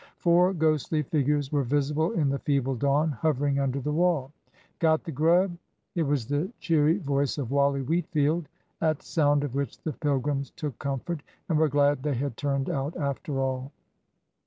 Four ghostly figures were visible in the feeble dawn, hovering under the wall. "Got the grub?" It was the cheery voice of Wally Wheatfield, at sound of which the pilgrims took comfort, and were glad they had turned out after all.